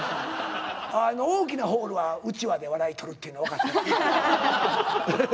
あの大きなホールはうちわで笑いとるっていうの分かった。